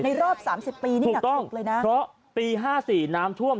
ในรอบ๓๐ปีนี่ถูกเลยนะเพราะปี๕๔น้ำท่วม